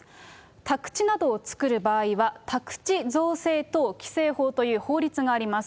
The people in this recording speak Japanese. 宅地などを造る場合は、宅地造成等規制法という法律があります。